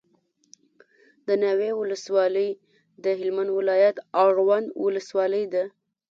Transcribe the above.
دناوی ولسوالي دهلمند ولایت اړوند ولسوالي ده